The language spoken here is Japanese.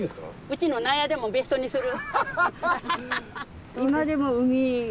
うちの納屋でも別荘にする？